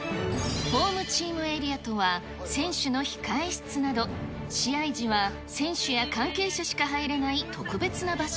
ホームチームエリアとは、選手の控え室など、試合時は選手や関係者しか入れない特別な場所。